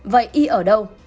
vậy y ở đâu